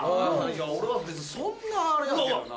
俺は別にそんなあれやけどな。